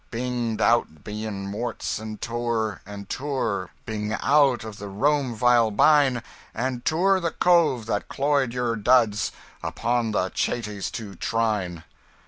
Bing'd out bien Morts and toure, and toure, Bing out of the Rome vile bine, And toure the Cove that cloy'd your duds, Upon the Chates to trine.